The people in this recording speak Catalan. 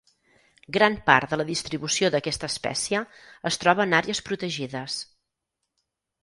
Gran part de la distribució d'aquesta espècie es troba en àrees protegides.